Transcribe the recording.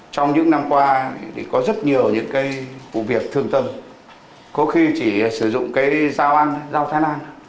trong những năm qua có rất nhiều những cái vụ việc thương tâm có khi chỉ sử dụng cái giao thán an